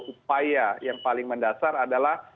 upaya yang paling mendasar adalah